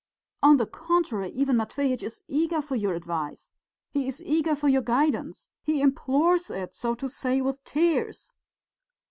On the contrary, Ivan Matveitch is eager for your advice; he is eager for your guidance. He implores it, so to say, with tears."